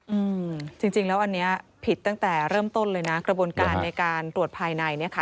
อืมจริงจริงแล้วอันเนี้ยผิดตั้งแต่เริ่มต้นเลยนะกระบวนการในการตรวจภายในเนี้ยค่ะ